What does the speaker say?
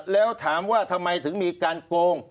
แล้วถามว่าทำไมถึงมีการโกง